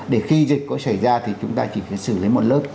để khi dịch có xảy ra thì chúng ta chỉ phải xử lý một lớp